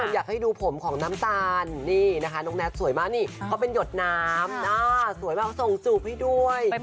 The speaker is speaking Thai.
สดน้ำสวยมากส่งสูบให้ด้วย